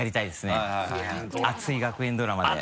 熱い学園ドラマで。